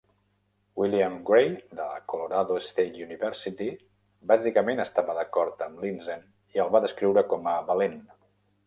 William Gray, de la Colorado State University, bàsicament estava d'acord amb Lindzen, i el va descriure com a "valent".